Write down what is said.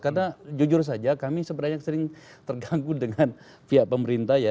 karena jujur saja kami sebenarnya sering terganggu dengan pihak pemerintah ya